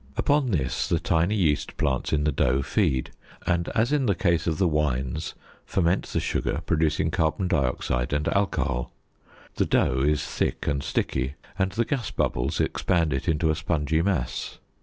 Upon this the tiny yeast plants in the dough feed, and, as in the case of the wines, ferment the sugar, producing carbon dioxide and alcohol. The dough is thick and sticky and the gas bubbles expand it into a spongy mass.